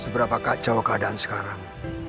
seberapa kacau keadaan sekarang